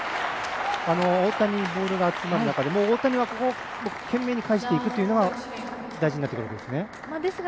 大谷にボールが集まる中で大谷はここを懸命に返していくというのが大事になってくるんですね。